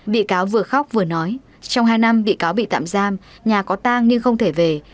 bị cáo vừa khóc vừa nói trong hai năm bị cáo bị tạm giam nhà có tang nhưng không thể về